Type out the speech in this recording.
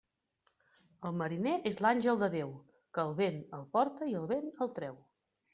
El mariner és àngel de Déu, que el vent el porta i el vent el treu.